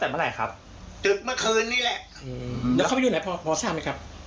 ไม่มี